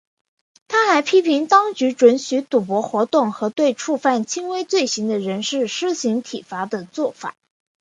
他还批评当局准许赌博活动和对触犯轻微罪行的人士施行体罚的作法。